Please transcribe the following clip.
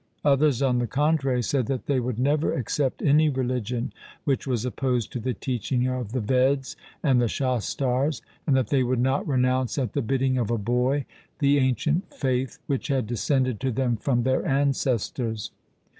Others, on the contrary, said that they would never accept any religion which was opposed to the teaching of the Veds and the Shastars, and that they would not renounce at the bidding of a boy the ancient faith which had descended to them from their ancestors.